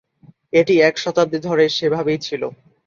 এটি এক শতাব্দী ধরে সেভাবেই ছিল।